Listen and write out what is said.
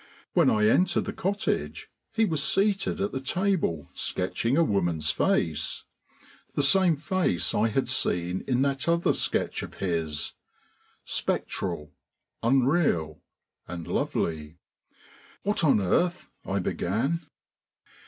When I entered the cottage he was seated at the table sketching a woman's face the same face I had seen in that other sketch of his, spectral, unreal, and lovely. "What on earth ?" I began.